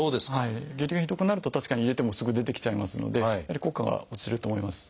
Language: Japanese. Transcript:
下痢がひどくなると確かに入れてもすぐ出てきちゃいますのでやはり効果が落ちると思います。